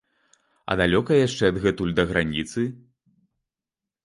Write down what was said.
А далёка яшчэ адгэтуль да граніцы?